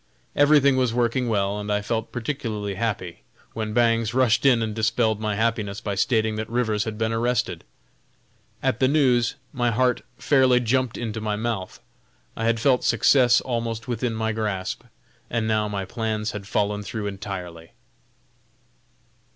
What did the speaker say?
Everything was working well, and I felt particularly happy, when Bangs rushed in and dispelled my happiness by stating that Rivers had been arrested. At the news, my heart fairly jumped into my mouth. I had felt success almost within my grasp, and now my plans had fallen through entirely.